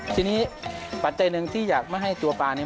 ทีนี้ปัจจัยหนึ่งที่อยากไม่ให้ตัวปลาเนี่ย